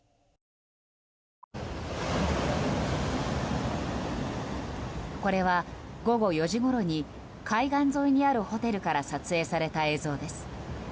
これは、午後４時ごろに海岸沿いにあるホテルから撮影された映像です。